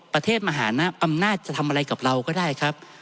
มหานะอำนาจจะทำอะไรกับเราก็ได้ครับ